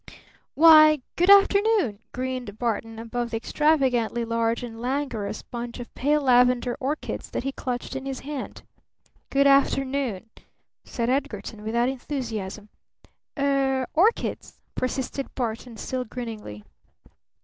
"Why good afternoon!" grinned Barton above the extravagantly large and languorous bunch of pale lavender orchids that he clutched in his hand. "Good afternoon!" said Edgarton without enthusiasm. "Er orchids!" persisted Barton still grinningly.